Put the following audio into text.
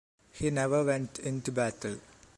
He never went into battle.